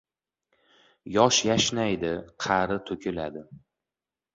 • Yosh yashnaydi, qari to‘kiladi.